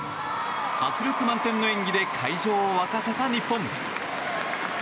迫力満点の演技で会場を沸かせた日本。